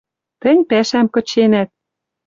Тӹнь пӓшӓм кыченӓт